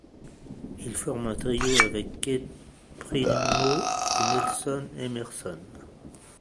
Il forme un trio avec Keith Primeau et Nelson Emerson.